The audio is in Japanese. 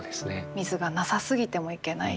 水がなさすぎてもいけない。